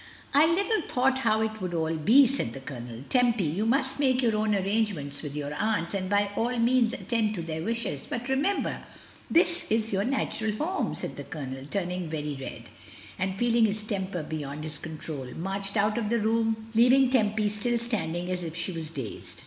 "I little thought how it would all be," said the Colonel. "Tempy, you must make your own arrange ments with your aunts, and by all means attend to their wishes. But, remember, ihis is your natural home;" and the Colonel, turning very red, and feel ing his temper beyond his control, marched out of the room, leaving Tempy still standing as if she was dazed.